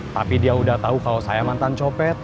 tapi dia udah tahu kalau saya mantan copet